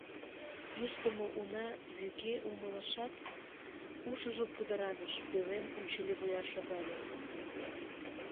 Ӱждымӧ уна вӱге умылышат, ушыжо пудыраныш, пӧлем унчыливуя шогале.